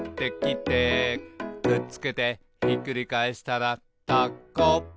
「くっつけてひっくり返したらタコ」